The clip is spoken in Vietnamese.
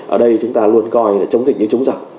ở đây chúng ta luôn coi là chống dịch như chúng dặn